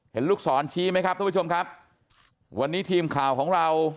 ลูกศรชี้ไหมครับทุกผู้ชมครับวันนี้ทีมข่าวของเรา